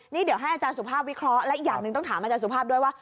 นี่เดี๋ยวให้อาจารย์สุภาพวิเคราะห์และอีกอย่างหนึ่งต้องถามอาจารย์สุภาพด้วยว่า